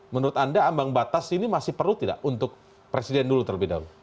menurut anda ambang batas ini masih perlu tidak untuk presiden dulu terlebih dahulu